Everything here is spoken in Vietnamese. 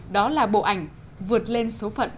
đó là bộ ảnh vượt lên số phận